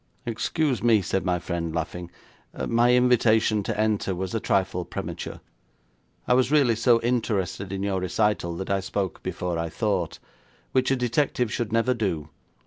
'Excuse me,' said my friend, laughing, 'my invitation to enter was a trifle premature. I was really so interested in your recital that I spoke before I thought, which a detective should never do.